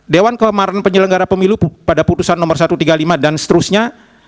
dewan kemana penyelenggara pemilu pada putusan nomor satu ratus tiga puluh lima dan seterusnya